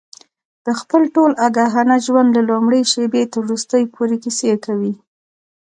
د خپل ټول آګاهانه ژوند له لومړۍ شېبې تر وروستۍ پورې کیسې کوي.